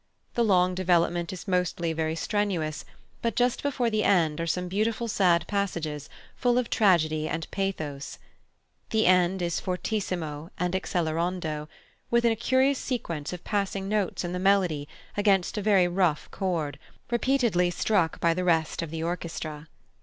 The long development is mostly very strenuous, but just before the end are some beautiful sad passages full of tragedy and pathos. The end is fortissimo and accelerando, with a curious sequence of passing notes in the melody against a very rough chord, repeatedly struck by the rest of the orchestra.